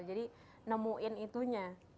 jadi nemuin itunya